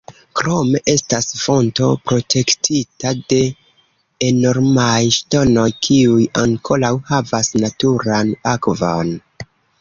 Krome estas fonto protektita de enormaj ŝtonoj, kiuj ankoraŭ havas naturan akvon.